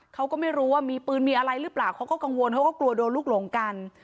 เขาก็ไม่รู้ว่ามีปืนมีอะไรหรือเปล่าเขาก็กังวลเขาก็กลัวโดนลูกหลงกัน